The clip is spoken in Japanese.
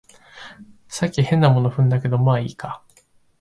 さっき変なもの踏んだけど、まあいいか